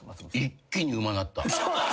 一気にうまなった。